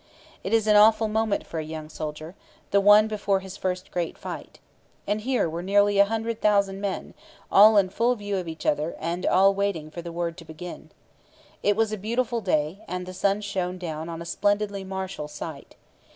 It is an awful moment for a young soldier, the one before his first great fight. And here were nearly a hundred thousand men, all in full view of each other, and all waiting for the word to begin. It was a beautiful day, and the sun shone down on a splendidly martial sight.